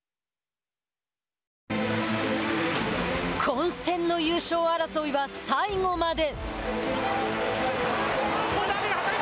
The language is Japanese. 混戦の優勝争いは最後まで。